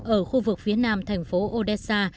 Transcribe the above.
ở khu vực phía nam thành phố odessa